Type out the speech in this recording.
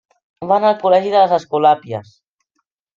Va anar al col·legi de les Escolàpies.